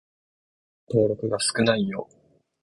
文章の登録が少ないよ。